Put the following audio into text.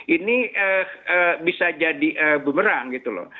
ini bisa jadi bumerang gitu loh